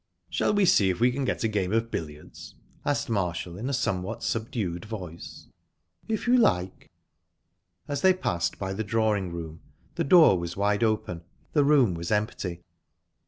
"Shall we see if we can get a game of billiards?" asked Marshall, in a somewhat subdued voice. "If you like." As they passed by the drawing room the door was wide open; the room was empty.